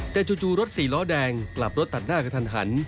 แต่จู่รถสี่ล้อแดงกลับรถตัดหน้ากระทันหัน